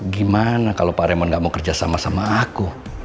gimana kalau pak remond gak mau kerja sama sama aku